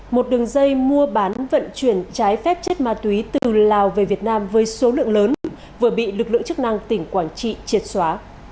một đường dây mua bán vận chuyển trái phép chất ma túy từ lào về việt nam với số lượng lớn vừa bị lực lượng chức năng tỉnh quảng trị triệt xóa